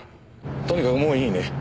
とにかくもういいね？